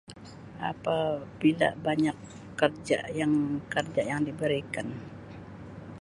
Apabila banyak kerja yang kerja yang diberikan.